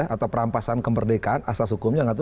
atau perampasan kemerdekaan